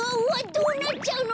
どうなっちゃうの？